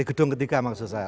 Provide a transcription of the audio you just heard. gedung ketiga maksud saya